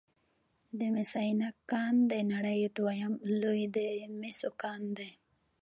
د مس عینک کان د نړۍ دویم لوی د مسو کان دی